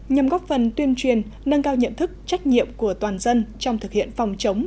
nhằm góp phần tuyên truyền nâng cao nhận thức trách nhiệm của toàn dân trong thực hiện phòng chống